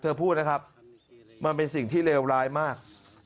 พูดนะครับมันเป็นสิ่งที่เลวร้ายมาก